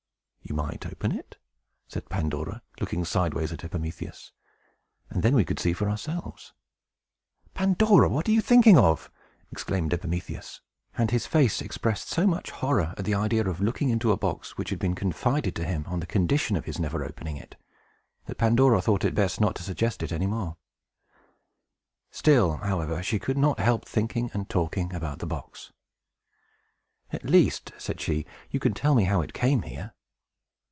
"You might open it," said Pandora, looking sideways at Epimetheus, "and then we could see for ourselves." "Pandora, what are you thinking of?" exclaimed Epimetheus. And his face expressed so much horror at the idea of looking into a box, which had been confided to him on the condition of his never opening it, that Pandora thought it best not to suggest it any more. Still, however, she could not help thinking and talking about the box. "At least," said she, "you can tell me how it came here."